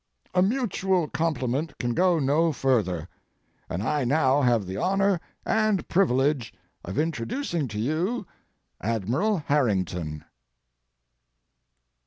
A mutual compliment can go no further, and I now have the honor and privilege of introducing to you Admiral Harrington.